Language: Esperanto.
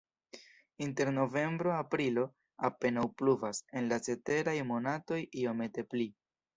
Inter novembro-aprilo apenaŭ pluvas, en la ceteraj monatoj iomete pli.